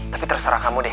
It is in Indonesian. tapi terserah kamu deh